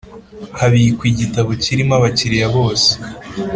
habikwa igitabo kirimo abakiriya bose